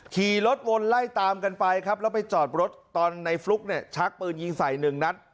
ขี่รถวนไล่ตามกันไปครับแล้วไปจอดรถตอนในฟลุ๊กเนี่ยชักปืนยิงใส่หนึ่งนัด